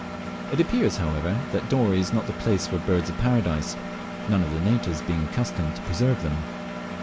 It appears, however, that Dorey is not the place for Birds of Paradise, none of the natives being accustomed to preserve them.